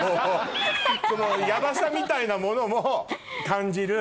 そのヤバさみたいなものも感じる。